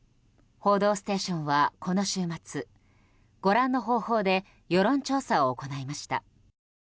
「報道ステーション」はこの週末ご覧の方法で世論調査を行いました。